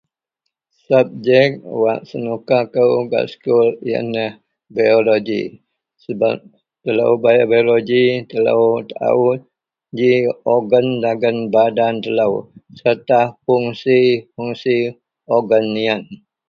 Subjek wak senuka kou gak sekul iyenlah bioloji sebab telo bioloji telo taau ji organ dagen badan telo serta fungsi-fungsi organ iyen.